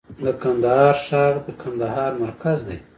د کندهار ښار د کندهار مرکز دی